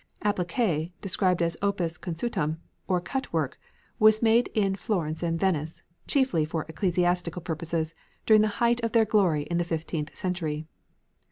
Appliqué, described as opus consutum, or cut work, was made in Florence and Venice, chiefly for ecclesiastical purposes, during the height of their glory in the fifteenth century.